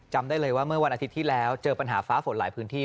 จำได้เลยว่าเมื่อวันอาทิตย์ที่แล้วเจอปัญหาฟ้าฝนหลายพื้นที่